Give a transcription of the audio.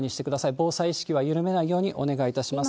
防災意識は緩めないようにお願いいたします。